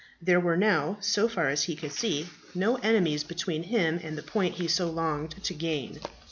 There were now, so far as he could see, no enemies between him and the point he so longed to gain.